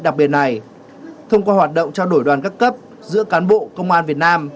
đặc biệt này thông qua hoạt động trao đổi đoàn các cấp giữa cán bộ công an việt nam